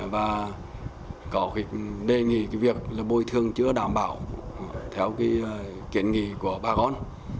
và có đề nghị việc bôi thương chưa đảm bảo theo kiện nghị của bà con